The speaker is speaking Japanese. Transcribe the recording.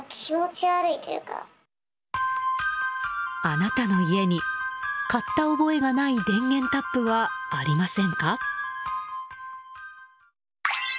あなたの家に買った覚えがない電源タップはありませんか。